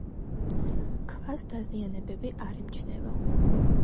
ქვას დაზიანებები არ ემჩნევა.